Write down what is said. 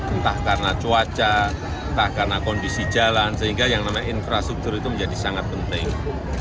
entah karena cuaca entah karena kondisi jalan sehingga yang namanya infrastruktur itu menjadi sangat penting